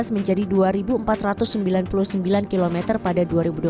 menjadi dua empat ratus sembilan puluh sembilan km pada dua ribu dua puluh